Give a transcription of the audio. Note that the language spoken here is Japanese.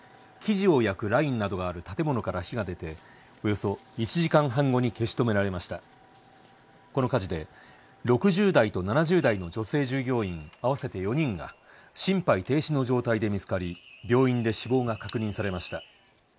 生地を焼くラインなどがある建物から火が出ておよそ１時間半後に消し止められましたこの火事で６０代と７０代の女性従業員合わせて４人が心肺停止の状態で見つかり病院で死亡が確認されました